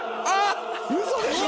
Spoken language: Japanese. ウソでしょ？